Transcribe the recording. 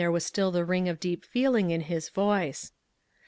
115 I was still the ring of deep feeling in his voice.